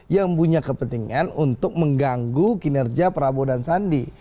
yang punya kepentingan untuk mengganggu kinerja prabowo dan sandi